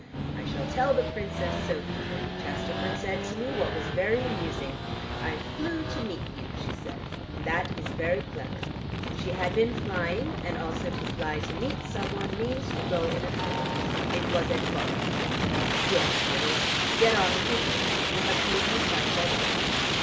"I shall tell the Princess Sophy, Lady Chesterford said to me what was very amusing. 'I flew to meet you,' she said, and that is very clever. She had been flying, and also to fly to meet someone means to go in a hurry. It was a pon." "Yes, dearest, get on with your dealing. You have told me twice already."